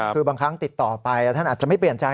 คือบางครั้งติดต่อไปแล้วท่านอาจจะไม่เปลี่ยนใจ